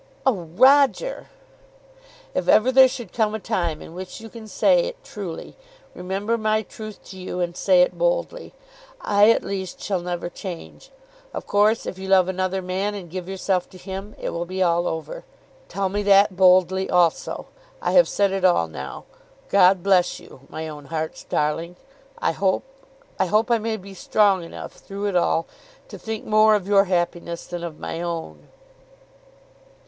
"Oh, Roger!" "If ever there should come a time in which you can say it truly, remember my truth to you and say it boldly. I at least shall never change. Of course if you love another man and give yourself to him, it will be all over. Tell me that boldly also. I have said it all now. God bless you, my own heart's darling. I hope, I hope I may be strong enough through it all to think more of your happiness than of my own."